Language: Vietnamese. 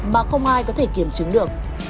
mà không ai có thể kiểm chứng được